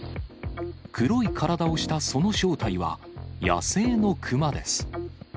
黒い体をしたその正体は、野生の熊です。